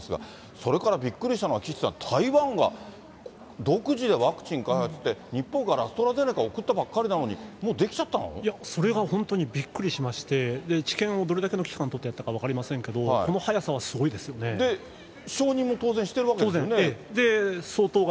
それからびっくりしたのは、岸さん、台湾は独自でワクチン開発って、日本からアストラゼネカ送ったばっかりなのに、もう出来ちゃったそれが本当にびっくりしまして、治験をどれだけの期間とってやったか分かりませんけど、この承認も当然してるわけですよ当然。